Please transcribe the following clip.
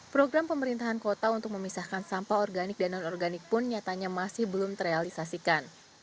program pemerintahan kota untuk memisahkan sampah organik dan non organik pun nyatanya masih belum terrealisasikan